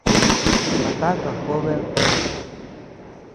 ¿A taka jobed?